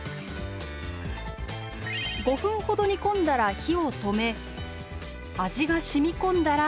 ５分ほど煮込んだら火を止め味がしみこんだら完成。